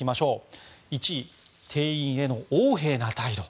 １位、店員への横柄な態度。